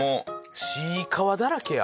『ちいかわ』だらけや！